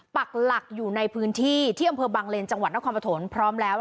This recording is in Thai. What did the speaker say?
ปักหลักอยู่ในพื้นที่ที่อำเภอบังเลนจังหวัดนครปฐมพร้อมแล้ว